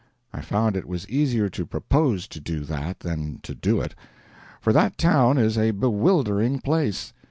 I found it was easier to propose to do that than to do it; for that town is a bewildering place.